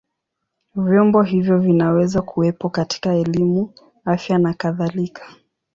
Vyombo hivyo vinaweza kuwepo katika elimu, afya na kadhalika.